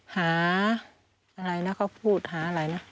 หาอะไรนะเขาพูดหาอะไรนะ